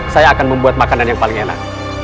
saya akan membuat makanan yang paling enak